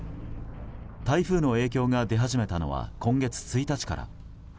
台風の影響が出始めたのは今月１日から。